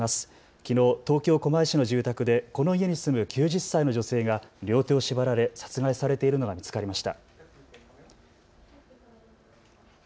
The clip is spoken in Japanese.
きのう東京狛江市の住宅でこの家に住む９０歳の女性が両手を縛られ殺害されているのが見つかりました。